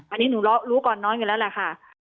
อันนี้หนูรู้ก่อนน้อยอยู่แล้วแหละค่ะ